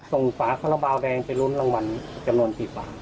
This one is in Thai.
ส่งฝาคาราบาลแดงไปรุ้นรางวัลกำหนดกี่ฝา